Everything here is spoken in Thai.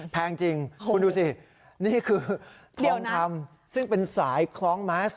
แพงจริงคุณดูสินี่คือทองคำซึ่งเป็นสายคล้องแมส